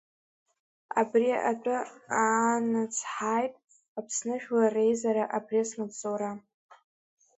Абри атәы аанацҳаит Аԥсны Жәлар Реизара апресс маҵзура.